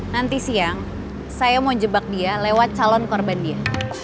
nanti siang saya mau jebak dia lewat calon korban dia